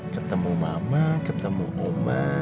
ketemu mama ketemu oma